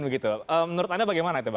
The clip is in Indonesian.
begitu menurut anda bagaimana itu pak